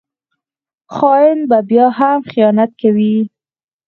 خاین به بیا هم خیانت کوي